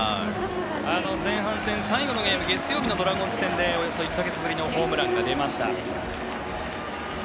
前半戦、月曜日のゲームドラゴンズ戦でおよそ１か月ぶりのホームランが出ました。